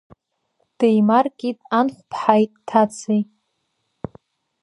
Деимаркит анхәԥҳаи ҭацеи.